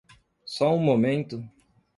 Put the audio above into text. Só um momento